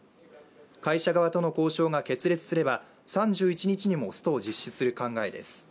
会社側との交渉が決裂すれば３１日にもストを実施する考えです。